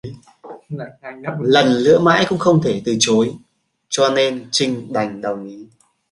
Lần lữa mãi cũng không thể từ chối cho nên Trinh đành đồng ý